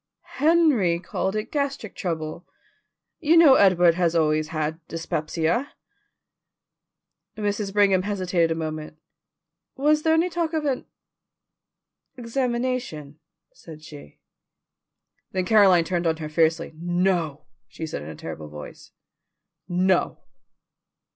"Henry called it gastric trouble. You know Edward has always had dyspepsia." Mrs. Brigham hesitated a moment. "Was there any talk of an examination?" said she. Then Caroline turned on her fiercely. "No," said she in a terrible voice. "No."